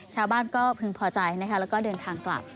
ชาวบ้านก็พึงพอใจนะคะแล้วก็เดินทางกลับ